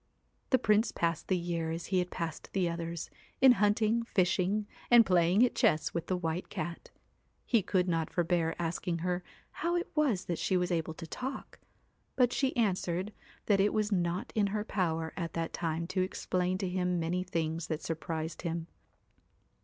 The Prince passed the year as he had passed the others, in hunting, fishing, and playing at chess with the White Cat. He could not forbear asking her how it was that she was able to talk ; but she answered that it was not in her power at that time to explain to him many things that sur prised him.